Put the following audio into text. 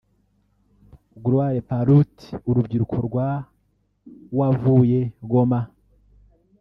Gloire Paluti urubyiruko rwawavuye Goma